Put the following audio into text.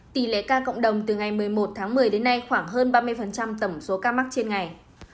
tỷ lệ ca cộng đồng từ ngày một mươi một tháng một mươi đến nay khoảng hơn ba mươi tổng số ca mắc trên ngày